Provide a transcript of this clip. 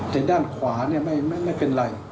แต่ด้านขวาเนี่ยไม่ไม่ไม่เป็นไร